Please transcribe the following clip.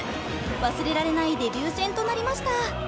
忘れられないデビュー戦となりました。